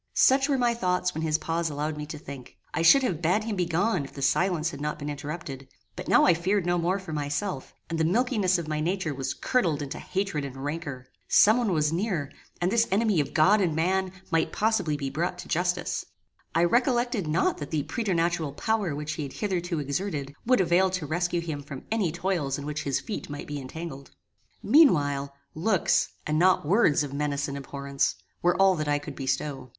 Such were my thoughts when his pause allowed me to think. I should have bad him begone if the silence had not been interrupted; but now I feared no more for myself; and the milkiness of my nature was curdled into hatred and rancour. Some one was near, and this enemy of God and man might possibly be brought to justice. I reflected not that the preternatural power which he had hitherto exerted, would avail to rescue him from any toils in which his feet might be entangled. Meanwhile, looks, and not words of menace and abhorrence, were all that I could bestow.